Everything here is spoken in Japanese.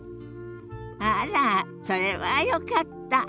あらそれはよかった。